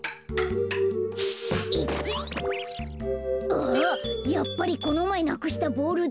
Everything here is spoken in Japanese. あやっぱりこのまえなくしたボールだ。